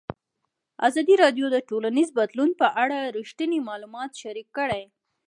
ازادي راډیو د ټولنیز بدلون په اړه رښتیني معلومات شریک کړي.